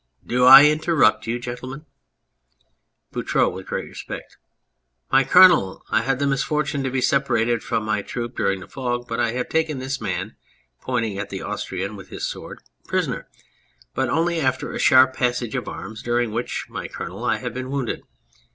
Do I interrupt you, gentlemen ? BOUTROUX (with great respect). My Colonel, I had the misfortune to be separated from my troop during the fog, but I have taken this man (pointing at the Austrian with his sword) prisoner, but only after a sharp passage of arms, during which, my Colonel, I have been wounded.